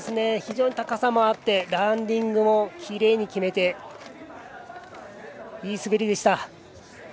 非常に高さもあってランディングもきれいに決めていい滑りでした。